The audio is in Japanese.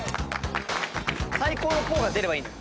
最高の「ぽー」が出ればいいのよ。